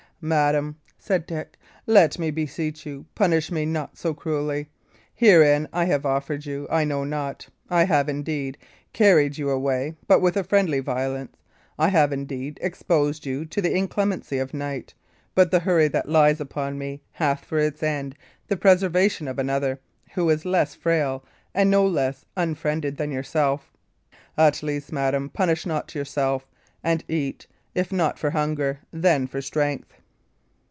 "Madam," said Dick, "let me beseech you, punish me not so cruelly. Wherein I have offended you, I know not; I have, indeed, carried you away, but with a friendly violence; I have, indeed, exposed you to the inclemency of night, but the hurry that lies upon me hath for its end the preservation of another, who is no less frail and no less unfriended than yourself. At least, madam, punish not yourself; and eat, if not for hunger, then for strength."